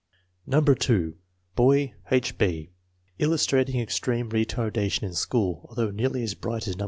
No. 2. Boy: H. B. Illustrating extreme retardation in school, although nearly as bright as No.